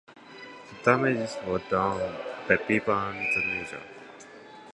The damages were done by people and the nature.